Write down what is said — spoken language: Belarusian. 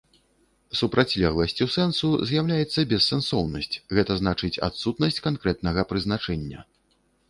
Супрацьлегласцю сэнсу з'яўляецца бессэнсоўнасць, гэта значыць адсутнасць канкрэтнага прызначэння.